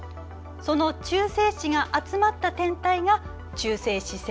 その中性子が集まった天体が中性子星。